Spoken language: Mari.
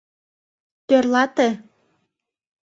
Тӧрлате.